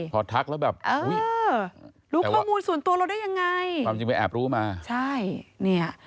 พอทักแล้วแบบอุ้ยรู้ข้อมูลส่วนตัวเราได้ยังไง